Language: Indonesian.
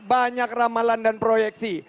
banyak ramalan dan proyeksi